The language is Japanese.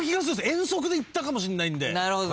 遠足で行ったかもしんないんで。